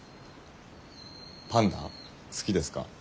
パンダ好きですか？